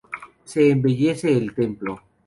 Se embellece el templo.